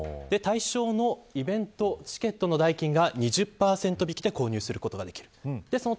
対象のイベントチケットの代金が２０％引きで購入することができます。